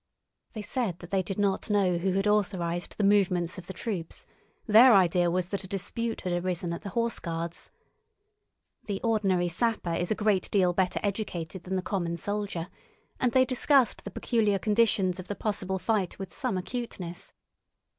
They said that they did not know who had authorised the movements of the troops; their idea was that a dispute had arisen at the Horse Guards. The ordinary sapper is a great deal better educated than the common soldier, and they discussed the peculiar conditions of the possible fight with some acuteness.